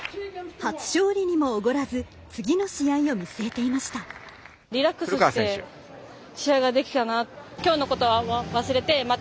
初勝利にもおごらず次の試合を見据えていました。